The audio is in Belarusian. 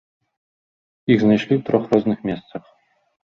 Іх знайшлі ў трох розных месцах.